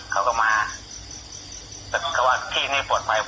เขาก็มาแต่เขาว่าที่นี่ปลอดภัย